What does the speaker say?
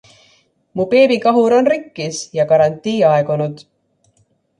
Mu beebikahur on rikkis ja garantii aegunud.